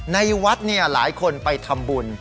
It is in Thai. ในวัดเนี่ยหลายคนไปทำบุญ